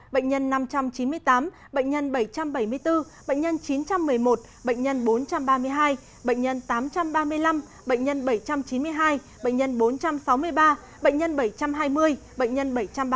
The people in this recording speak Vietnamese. bệnh nhân năm trăm chín mươi tám bệnh nhân bảy trăm bảy mươi bốn bệnh nhân chín trăm một mươi một bệnh nhân bốn trăm ba mươi hai bệnh nhân tám trăm ba mươi năm bệnh nhân bảy trăm chín mươi hai bệnh nhân bốn trăm sáu mươi ba bệnh nhân bảy trăm hai mươi bệnh nhân bảy trăm ba mươi